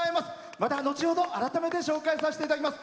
また後ほど改めて紹介させていただきます。